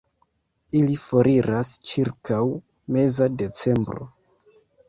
Ili foriras ĉirkaŭ meza decembro.